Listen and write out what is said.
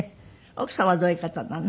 奥様はどういう方なの？